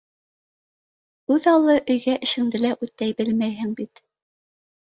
Үҙаллы өйгә эшеңде лә үтәй белмәйһең бит.